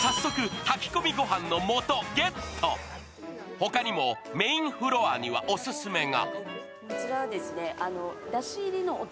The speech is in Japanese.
ほかにもメインフロアにはオススメが。